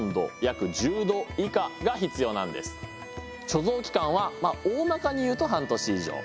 貯蔵期間はおおまかに言うと半年以上。